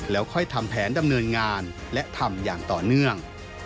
แล้วค่อยทำแผนดำเนินงานและทำอย่างต่อเนื่อง